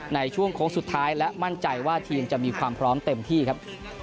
ในช่วงโค้งสุดท้ายและมั่นใจว่าทีมจะมีความพร้อมเต็มที่ครับ